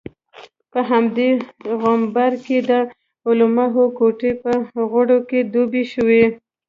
په همدې غومبر کې د علماوو ګوتې په غوړو کې ډوبې شوې.